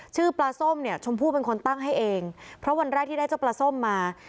ชื่อปลาส้มเนี่ยชมพู่เป็นคนตั้งให้เองเพราะวันแรกที่ได้เจ้าปลาส้มมา